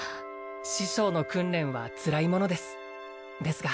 師匠の訓練はつらいものですですが